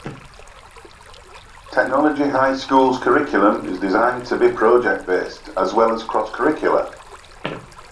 Technology High School's curriculum is designed to be project-based as well as cross-curricular.